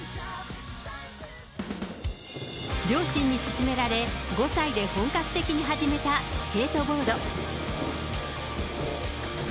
両親に勧められ、５歳で本格的に始めたスケートボード。